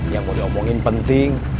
yang kau diomongin penting